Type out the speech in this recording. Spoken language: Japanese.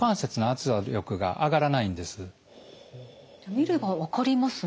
見れば分かりますね。